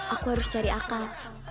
aku harus cari akal